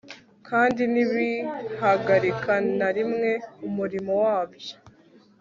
kandi ntibihagarika na rimwe umurimo wabyo